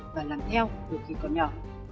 và làm theo từ khi còn nhỏ